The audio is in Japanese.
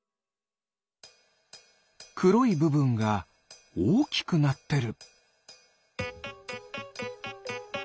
くろいぶぶんがおおきくなってる。